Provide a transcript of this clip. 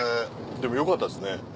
でもよかったですね